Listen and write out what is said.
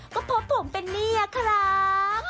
ก็พบผมเป็นนี่อะครับ